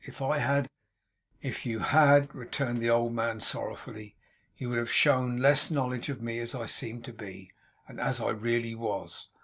If I had ' 'If you had,' returned the old man, sorrowfully, 'you would have shown less knowledge of me as I seemed to be, and as I really was.